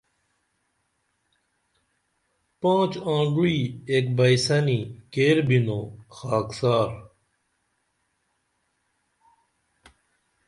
پانچ آنگوعی ایک بئیسنی کیر بِنوں خاکسار